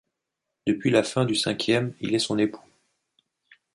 Depuis la fin du cinquième, il est son époux.